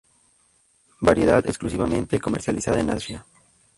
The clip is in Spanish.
Variedad exclusivamente comercializada en Asia.